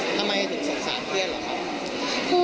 ทำไมถึงสงสารเพื่อนหรอค่ะ